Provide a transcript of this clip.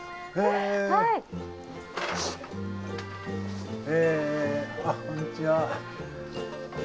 えあっこんにちは。